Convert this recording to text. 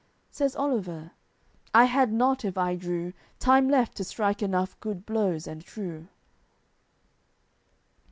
Says Oliver: "I had not, if I drew, Time left to strike enough good blows and true."